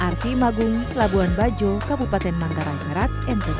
arfi magung labuan bajo kabupaten manggaran merat ntt